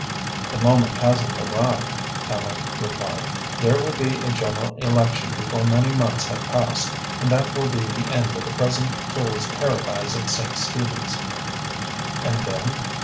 "The moment hasn't arrived," Tallente replied. "There will be a General Election before many months have passed and that will be the end of the present fools' paradise at St. Stephen's." "And then?"